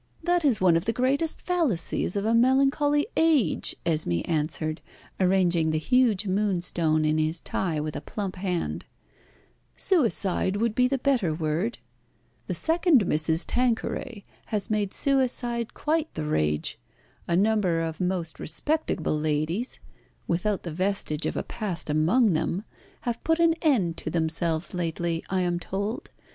"That is one of the greatest fallacies of a melancholy age," Esmé answered, arranging the huge moonstone in his tie with a plump hand; "suicide would be the better word. 'The Second Mrs. Tanqueray' has made suicide quite the rage. A number of most respectable ladies, without the vestige of a past among them, have put an end to themselves lately, I am told.